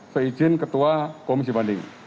seijin ketua komisi banding